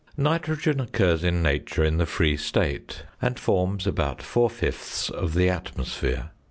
Nitrogen occurs in nature in the free state, and forms about four fifths of the atmosphere.